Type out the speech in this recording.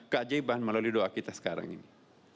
keajaiban melalui doa kita sekarang ini